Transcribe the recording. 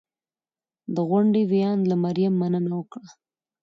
د غونډې ویاند له مریم مننه وکړه